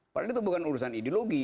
padahal itu bukan urusan ideologi